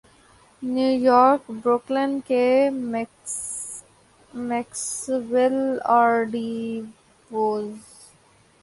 new York Brooklyn کے Maxwell آرڈی was